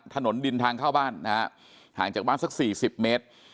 ถนนดินทางเข้าบ้านนะฮะห่างจากบ้านสัก๔๐เมตร